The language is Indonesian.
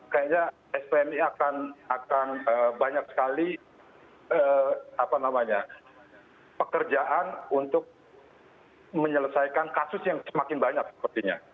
kayaknya spni akan banyak sekali pekerjaan untuk menyelesaikan kasus yang semakin banyak sepertinya